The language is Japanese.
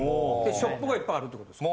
ショップがいっぱいあるってことですか？